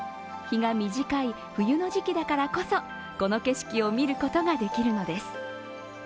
日が短い冬の時期だからこそこの景色を見ることができるのです。